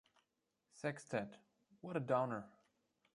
Sextet: What a downer!